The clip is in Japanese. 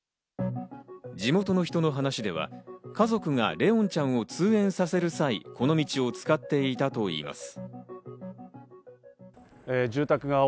地元の人の話では家族が怜音ちゃんを通園させる際、この道を使っていたといいます。